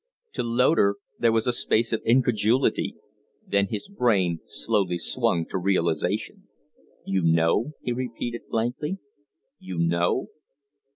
To Loder there was a space of incredulity; then his brain slowly swung to realization. "You know?" he repeated, blankly. "You know?"